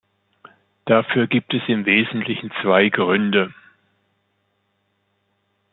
Dafür gibt es im wesentlichen zwei Gründe.